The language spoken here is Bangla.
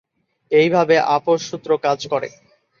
এইভাবে আপস সূত্র কাজ করে।